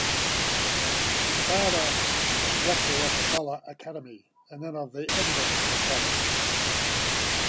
His father was Rector of the Dollar Academy and then of the Edinburgh Academy.